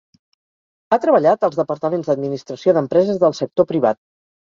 Ha treballat als departaments d'administració d'empreses del sector privat.